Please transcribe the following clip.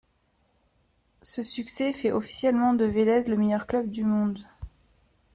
Ce succès fait officiellement de Vélez le meilleur club du monde.